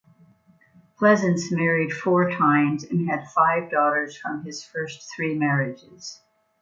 Pleasence married four times and had five daughters from his first three marriages.